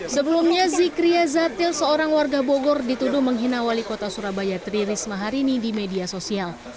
sebelumnya zikria zatil seorang warga bogor dituduh menghina wali kota surabaya tri risma harini di media sosial